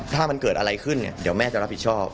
ถ้ามันเกิดอะไรขึ้นเนี่ยเดี๋ยวแม่จะรับผิดชอบ